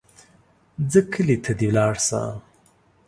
ځه کلي ته دې لاړ شه.